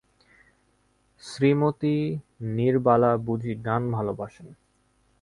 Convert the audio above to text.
শ্রীমতী নীরবালা বুঝি গান ভালোবাসেন?